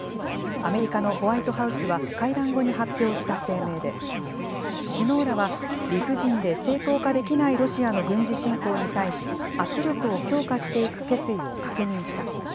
アメリカのホワイトハウスは、会談後に発表した声明で、首脳らは理不尽で正当化できないロシアの軍事侵攻に対し、圧力を強化していく決意を確認した。